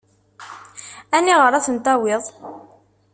Aniɣer ad ten-tawiḍ?